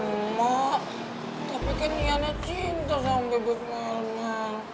emak tapi kan iyana cinta sama bebek melmel